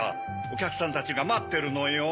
おきゃくさんたちがまってるのよ。